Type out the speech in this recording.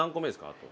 あと。